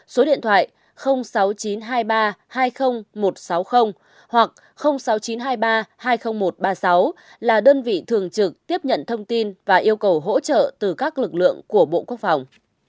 số điện thoại sáu nghìn chín trăm hai mươi ba hai mươi một trăm sáu mươi hoặc sáu nghìn chín trăm hai mươi ba hai mươi nghìn một trăm ba mươi sáu là đơn vị thường trực tiếp nhận thông tin và yêu cầu hỗ trợ từ các lực lượng của bộ quốc phòng